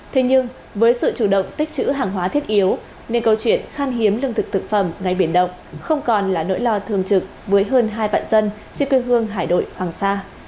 thế nhưng với sự chủ động tích chữ hàng hóa thiết yếu nên câu chuyện khan hiếm lương thực thực phẩm ngay biển động không còn là nỗi lo thường trực với hơn hai vạn dân trên quê hương hải đội hoàng sa